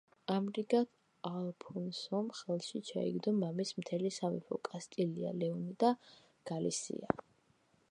ამრიგად ალფონსომ ხელში ჩაიგდო მამის მთელი სამეფო: კასტილია, ლეონი და გალისია.